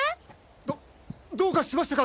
どどうかしましたか？